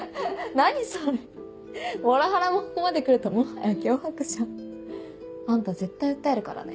何それモラハラもここまでくるともはや脅迫じあんた絶対訴えるからね